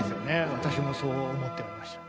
私もそう思っておりました。